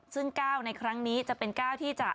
ซึ่ง๙ในครั้งนี้จะเป็น๙ที่จะ